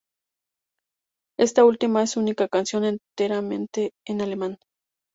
Esta última es su única canción enteramente en alemán.